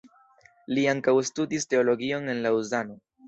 Li ankaŭ studis teologion en Laŭzano.